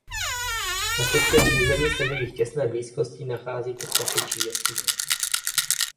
Na českém území se v jejich těsné blízkosti nachází "Trpasličí jeskyně".